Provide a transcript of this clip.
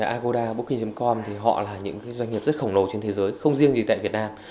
agoda boki com thì họ là những doanh nghiệp rất khổng lồ trên thế giới không riêng gì tại việt nam